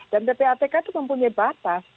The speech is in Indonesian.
dan ppatk itu mempunyai batas